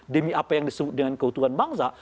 demi apa yang disebut dengan keutuhan bangsa